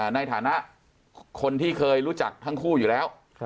ในฐานะคนที่เคยรู้จักทั้งคู่อยู่แล้ว